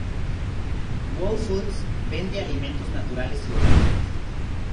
Whole Foods vende alimentos naturales y orgánicos.